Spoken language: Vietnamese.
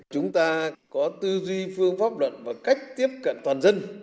chúng ta có tư duy phương pháp luận và cách tiếp cận toàn dân